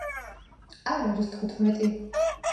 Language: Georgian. არ არის თხუთმეტი.